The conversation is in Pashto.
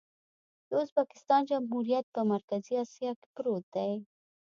د ازبکستان جمهوریت په مرکزي اسیا کې پروت دی.